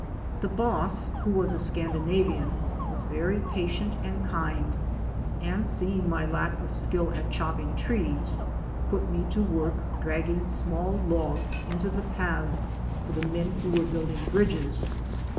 The boss, who was a Scandinavian, was very patient and kind, and seeing my lack of skill at chopping trees, put me to work dragging small logs into the paths for the men who were building bridges.